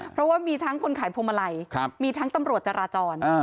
เพราะว่ามีทั้งคนขายพวงมาลัยมีทั้งตำรวจจราจร